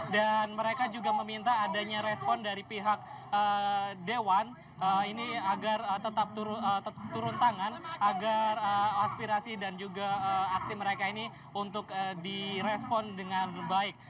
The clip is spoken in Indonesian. dan mereka juga meminta adanya respon dari pihak dewan ini agar tetap turun tangan agar aspirasi dan juga aksi mereka ini untuk di respon dengan baik